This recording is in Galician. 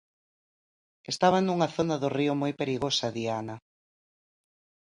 Estaban nunha zona do río moi perigosa, Diana.